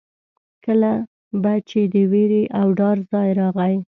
کله به چې د وېرې او ډار ځای راغی.